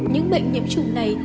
những bệnh nhiễm trùng này